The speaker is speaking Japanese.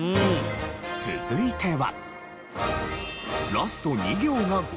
続いては。